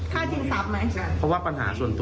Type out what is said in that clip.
เขาขับรถเฉี่ยวกันแต่เขากำลังจะ